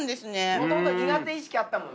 もともと苦手意識あったもんね。